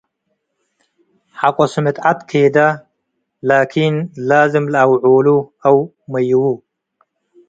ሐቆ ስምጥ ዐድ ኬደ ላኪን ላዝም ለአውዑሉ አው መይዉ ።